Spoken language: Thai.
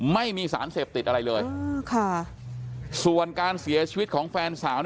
ไม่มีสารเสพติดอะไรเลยค่ะส่วนการเสียชีวิตของแฟนสาว